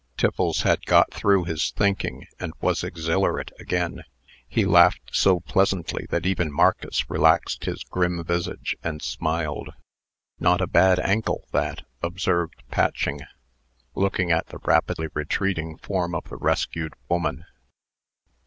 Tiffles had got through his thinking, and was exhilarate again. He laughed so pleasantly, that even Marcus relaxed his grim visage, and smiled. "Not a bad ankle, that," observed Patching, looking at the rapidly retreating form of the rescued woman.